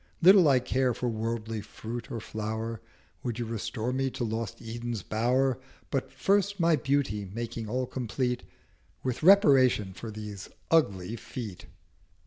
Little I care for Worldly Fruit or Flower, Would you restore me to lost Eden's Bower, But first my Beauty making all complete With reparation of these ugly Feet.'